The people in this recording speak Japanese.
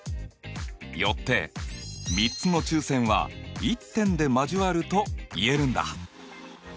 よって３つの中線は１点で交わるといえるんだ。